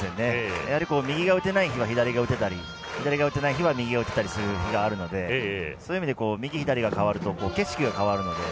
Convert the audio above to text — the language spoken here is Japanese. やはり右が打てない日は左が打てたり左が打てない日は右が打てたりすることがあるのでそういう意味で右左が変わると景色が変わるので。